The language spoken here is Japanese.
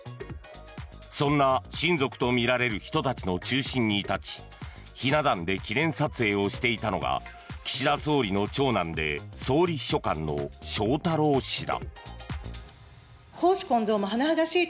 そんな親族とみられる人たちの中心に立ちひな壇で記念撮影をしていたのが岸田総理の長男で総理秘書官の翔太郎氏だ。